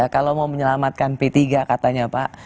kalau mau menyelamatkan p tiga katanya pak